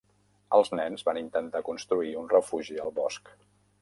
Els nens van intentar construir un refugi al bosc